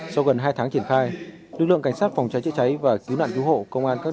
sau gần hai tháng triển khai lực lượng cảnh sát phòng cháy chữa cháy và cứu nạn cứu hộ công an các